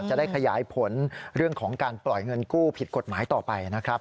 จะได้ขยายผลเรื่องของการปล่อยเงินกู้ผิดกฎหมายต่อไปนะครับ